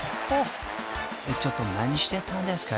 ［ちょっと何してたんですか？